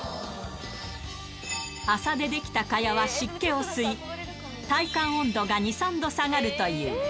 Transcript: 麻で出来た蚊帳は湿気を吸い、体感温度が２、３度下がるという。